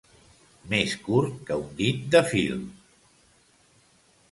Més curt que un dit de fil.